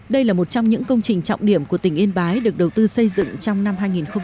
đây là một trong những công trình trọng điểm của tỉnh yên bái được đầu tư xây dựng trong năm hai nghìn một mươi tám